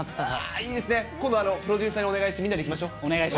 いいですね、今度プロデューサーにお願してみんなで行きましょう。